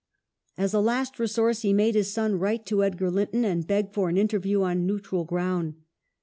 As a last resource he made his son write to Edgar Linton and beg for an interview on neutral ground.